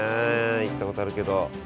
行ったことあるけど。